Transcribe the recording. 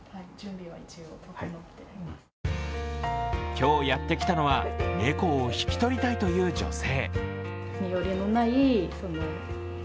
今日やってきたのは、猫を引き取りたいという女性。